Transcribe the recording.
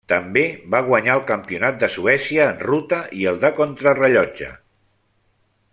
També va guanyar el Campionat de Suècia en ruta i el de contrarellotge.